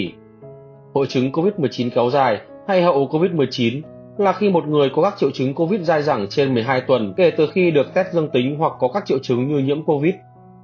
từ tháng bảy năm hai nghìn hai mươi một hội chứng covid một mươi chín kéo dài hay hậu covid một mươi chín là khi một người có các triệu chứng covid dài dẳng trên một mươi hai tuần kể từ khi được kết dân tính hoặc có các triệu chứng người nhiễm covid